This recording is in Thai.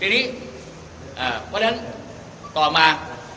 เพราะฉะนั้นต่อมา